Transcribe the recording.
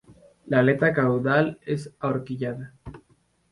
La aleta caudal es ahorquillada.